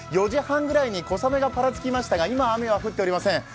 ４時半ぐらいに小雨がパラつきましたが、今は雨は降っておりません。